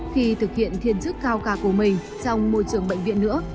khi thực hiện thiên chức cao cả của mình trong môi trường bệnh viện nữa